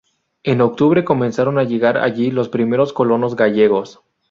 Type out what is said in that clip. En octubre comenzaron a llegar allí los primeros colonos gallegos.